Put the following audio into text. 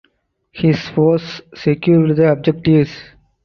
His force secured the objectives.